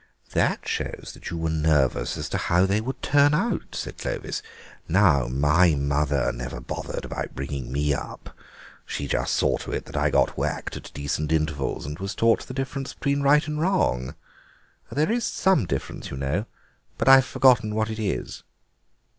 "That shows that you were nervous as to how they would turn out," said Clovis. "Now, my mother never bothered about bringing me up. She just saw to it that I got whacked at decent intervals and was taught the difference between right and wrong; there is some difference, you know, but I've forgotten what it is."